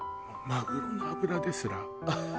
マグロの脂ですら。